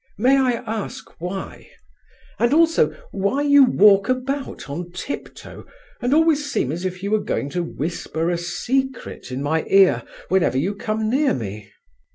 "May I ask why? and also why you walk about on tiptoe and always seem as if you were going to whisper a secret in my ear whenever you come near me?"